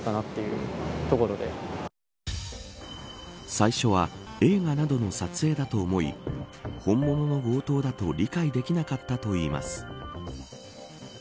最初は映画などの撮影だと思い本物の強盗だと理解できなかったといいます。